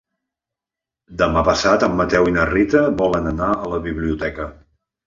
Demà passat en Mateu i na Rita volen anar a la biblioteca.